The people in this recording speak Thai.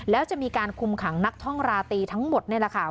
แล้วจะมีการคุมขังนักท่องราตรีทั้งหมดนี่แหละค่ะ